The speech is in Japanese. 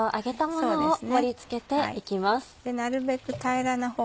そうですね